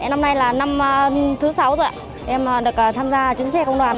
năm nay là năm thứ sáu rồi ạ em được tham gia chuyến xe công đoàn